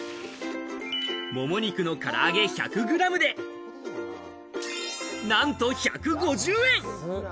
もも肉の唐揚げ１００グラムで、なんと１５０円。